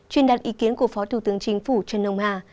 chuyên đặt ý kiến của phó thủ tướng chính phủ trần hồng hà